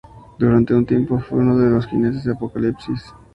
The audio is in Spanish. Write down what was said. Durante un tiempo fue uno de los Jinetes de Apocalipsis.